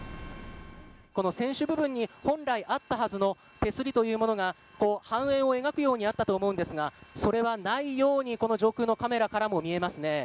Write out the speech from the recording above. この船首部分に本来あったはずの手すりというものが半円を描くようにあったと思うんですがそれはないようにこの上空のカメラからも見えますね。